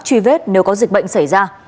truy vết nếu có dịch bệnh xảy ra